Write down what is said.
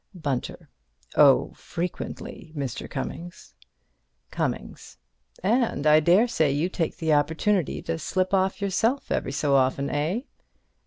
Bunter: Oh, frequently, Mr. Cummings. Cummings: And I daresay you take the opportunity to slip off yourself every so often, eh?